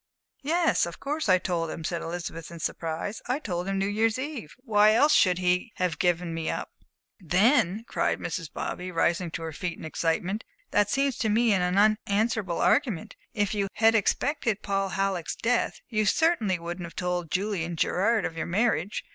"Yes, of course I told him," said Elizabeth, in surprise. "I told him New Year's Eve. Why else should he have given me up?" "Then," cried Mrs. Bobby, rising to her feet in her excitement, "that seems to me an unanswerable argument. If you had had expected Paul Halleck's death, you certainly wouldn't have told Julian Gerard of your marriage.